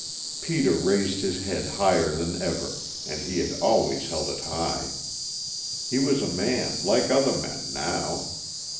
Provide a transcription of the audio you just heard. Peter raised his head higher than ever, and he had always held it high. He was a man, like other men, now.